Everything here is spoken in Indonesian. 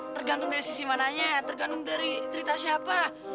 tergantung dari sisi mananya tergantung dari cerita siapa